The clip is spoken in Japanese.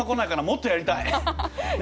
もっとやりたい！